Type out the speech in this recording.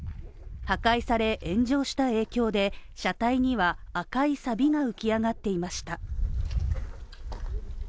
破壊され、炎上した影響で車体には赤いさびが浮き上がっていました。